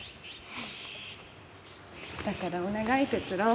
だからお願い哲郎。